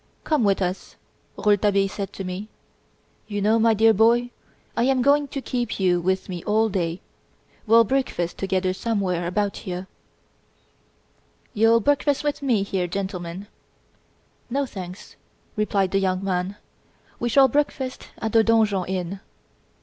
Come with us," Rouletabille said to me. "You know, my dear boy, I am going to keep you with me all day. We'll breakfast together somewhere about here " "You'll breakfast with me, here, gentlemen " "No, thanks," replied the young man. "We shall breakfast at the Donjon Inn."